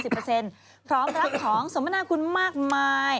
พร้อมรับของสมนาคุณมากมาย